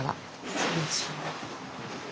失礼します。